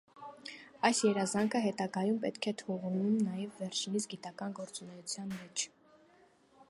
Այս երազանքը հետագայում հետք է թողնում նաև վերջինիս գիտական գործունեության մեջ։